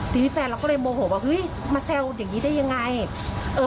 ทีนี้แฟนเราก็เลยโมโหว่าเฮ้ยมาแซวอย่างงี้ได้ยังไงเอ่อ